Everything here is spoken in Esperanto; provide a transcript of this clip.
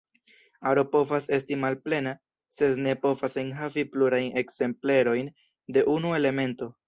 Aro povas esti malplena, sed ne povas enhavi plurajn ekzemplerojn de unu elemento.